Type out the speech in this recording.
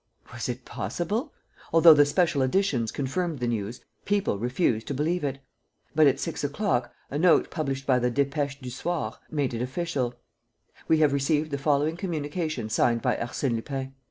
Was it possible? Although the special editions confirmed the news, people refused to believe it. But, at six o'clock, a note published by the Dépêche du Soir made it official: "We have received the following communication signed by Arsène Lupin.